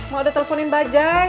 mau udah telfonin mbak jack